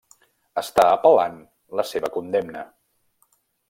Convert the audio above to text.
Està apel·lant la seva condemna.